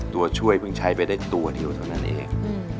ตัวช่วยเพิ่งใช้ไปได้ตัวเดียวเท่านั้นเอง